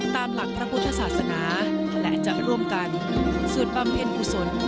ตามหลักพระพุทธศาสนาและจะร่วมกันสวดบำเพ็ญกุศล